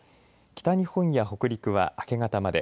北日本や北陸は明け方まで。